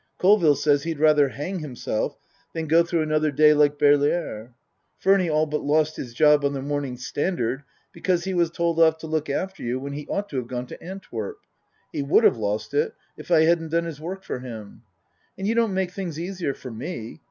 Colville says he'd rather hang himself than go through another day like Baerlere. Furny all but lost his job on the Morning Standard because he was told off to look after you when he ought to have gone to Antwerp he would have lost it if I hadn't done his work for him. And you don't make things easier for me.